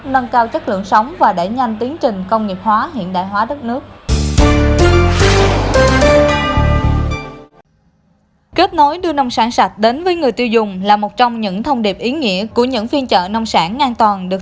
nâng cao chất lượng sống và đẩy nhanh tiến trình công nghiệp hóa hiện đại hóa đất nước